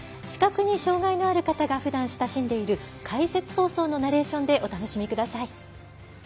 視覚に障がいのある方がふだん親しんでいる解説放送のナレーションでお楽しみください。